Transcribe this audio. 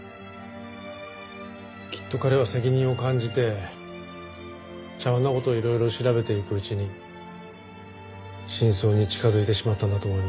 きっと彼は責任を感じて茶碗の事をいろいろ調べていくうちに真相に近づいてしまったんだと思います。